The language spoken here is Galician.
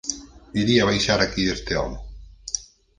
Iría baixar aquí este home?